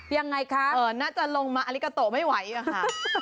ยังไงคะน่าจะลงมาอลิกาโตไม่ไหวอะค่ะ